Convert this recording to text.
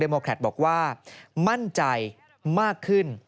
มั่นใจมากขึ้น